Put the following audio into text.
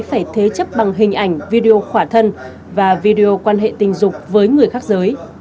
phải thế chấp bằng hình ảnh video khỏa thân và video quan hệ tình dục với người khác giới